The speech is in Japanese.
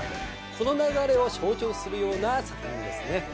この流れを象徴するような作品ですね。